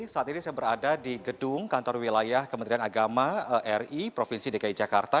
saat ini saya berada di gedung kantor wilayah kementerian agama ri provinsi dki jakarta